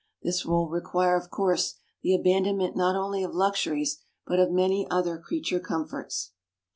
This will require, of course, the abandonment not only of luxuries but of many other creature comforts.